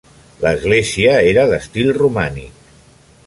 L'església era d'estil romànic.